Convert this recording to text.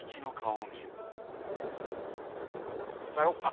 帰ろっか。